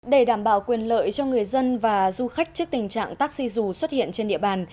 để đảm bảo quyền lợi cho người dân và du khách trước tình trạng taxi dù xuất hiện trên địa bàn